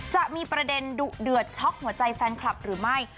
จะมีประเด็นดุเดือดช็อกหัวใจแฟนคลับหรือไม่